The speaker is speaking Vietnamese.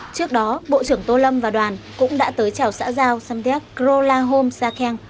trước đó bộ trưởng tô lâm và đoàn cũng đã tới chào xã giao samdek krolahom sakeng